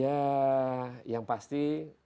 ya yang pasti